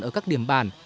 ở các điểm bản